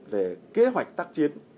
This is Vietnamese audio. về kế hoạch tác chiến